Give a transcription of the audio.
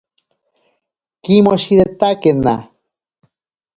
Kimoshiretakena.